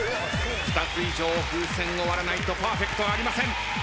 ２つ以上風船を割らないとパーフェクトはありません。